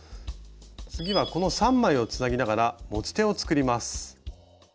次はこの３枚をつなぎながら持ち手を作ります。